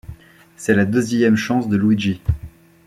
C'est la deuxième chance de Luigi.